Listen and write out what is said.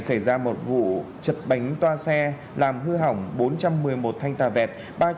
xảy ra một vụ chật bánh toa xe làm hư hỏng bốn trăm một mươi một thanh tà vẹt